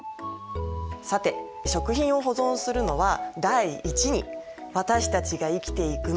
さて食品を保存するのは第一に私たちが生きていくのに必要だからです。